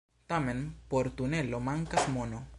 Tamen por tunelo mankas mono.